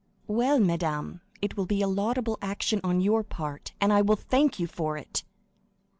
"Well, madame, it will be a laudable action on your part, and I will thank you for it!"